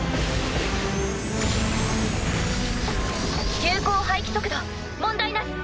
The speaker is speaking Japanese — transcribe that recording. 有効排気速度問題なし。